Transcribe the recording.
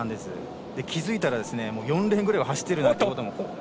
気付いたら４レーンぐらいを走っているということも。